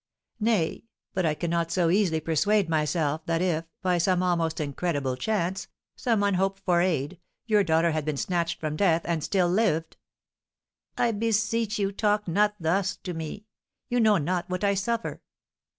"Nay, but I cannot so easily persuade myself that if, by some almost incredible chance, some unhoped for aid, your daughter had been snatched from death, and still lived " "I beseech you talk not thus to me, you know not what I suffer."